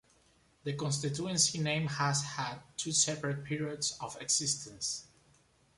The constituency name has had two separate periods of existence.